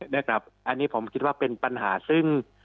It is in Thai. เนี่ยครับอันนี้ผมคิดว่าเป็นปัญหาซึ่ง